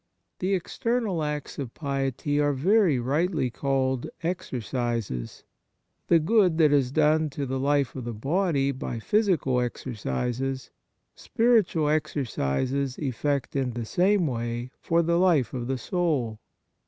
The external acts of piety are very rightly called exercises. The good that is done to the life of the body by physical exercises, spiritual exercises effect in the same way for the life of the soul.